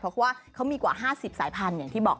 เพราะว่าเขามีกว่า๕๐สายพันธุ์อย่างที่บอก